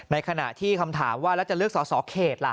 ขณะที่คำถามว่าแล้วจะเลือกสอสอเขตล่ะ